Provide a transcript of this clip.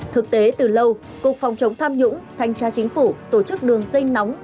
thực tế từ lâu cục phòng chống tham nhũng thanh tra chính phủ tổ chức đường dây nóng